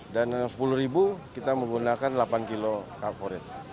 dan sepuluh kita menggunakan delapan kilo kaporit